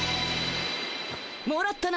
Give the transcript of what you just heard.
もらったな